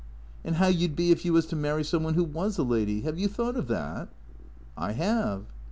" And how you 'd be if you was to marry some one who was a lady ? Have you thought of that ?" "I have."